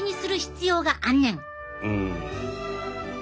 うん。